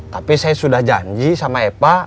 tapi saya sudah janji sama eva